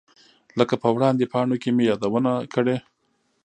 لکه په وړاندې پاڼو کې مې یادونه کړې.